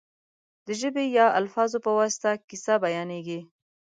د ژبې یا الفاظو په واسطه کیسه بیانېږي.